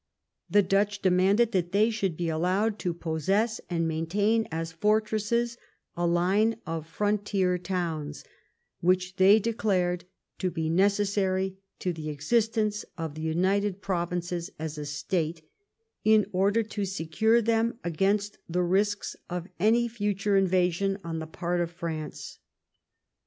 The Dutch demanded that they should be allowed to pos sess and maintain as fortresses a line of frontier towns, which they declared to be necessary to the existence of the United Provinces as a state, in order to secure them against the risks of any future invasion on the part of France.